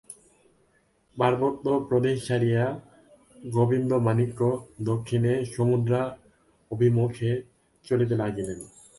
পার্বত্য প্রদেশ ছাড়িয়া গোবিন্দমাণিক্য দক্ষিণে সমুদ্রাভিমুখে চলিতে লাগিলেন।